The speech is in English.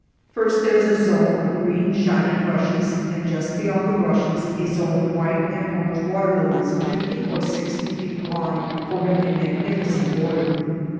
First there is a zone of green, shining rushes, and just beyond the rushes a zone of white and orange water lilies fifty or sixty feet wide forming a magnificent border.